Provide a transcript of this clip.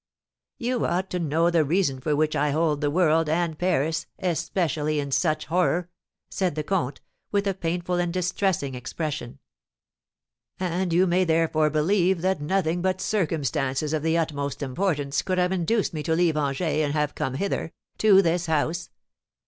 "You ought to know the reason for which I hold the world, and Paris, especially, in such horror," said the comte, with a painful and distressing expression; "and you may therefore believe that nothing but circumstances of the utmost importance could have induced me to leave Angers and have come hither to this house.